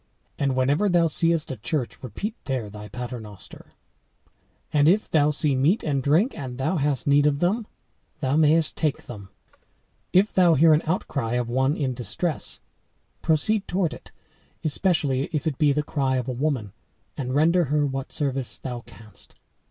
And whenever thou seest a church, repeat there thy pater noster; and if thou see meat and drink, and hast need of them, thou mayest take them. If thou hear an outcry of one in distress, proceed toward it, especially if it be the cry of a woman, and render her what service thou canst.